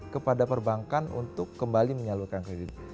kepada perbankan untuk kembali menyalurkan kredit